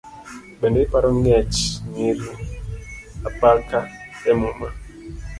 Bende iparo ngech nyiri aparka emuma?